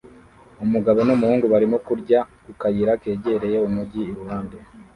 Umugabo n'umuhungu barimo kurya ku kayira kegereye umujyi iruhande